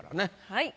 はい。